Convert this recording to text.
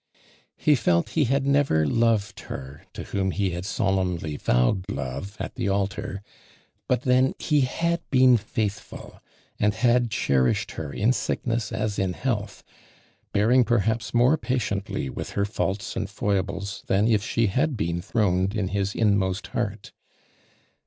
He felt he had never loved her to whom he had solemnly vowed love at the altar, but then he had been faithful, and liad cherished her in sickness as in hcaltli, bearing perhaps more patiently with her faults and foibles than if she liaclbeen throned in his inmost heart.